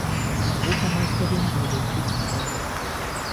Europameisterin wurde Grit Breuer.